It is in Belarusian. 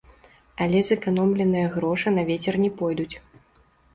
Але зэканомленыя грошы на вецер не пойдуць.